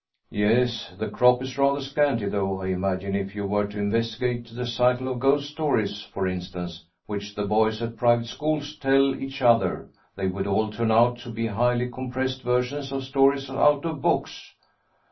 'Yes; the crop is rather scanty, though. I imagine, if you were to investigate the cycle of ghost stories, for instance, which the boys at private schools tell each other, they would all turn out to be highly compressed versions of stories out of books.'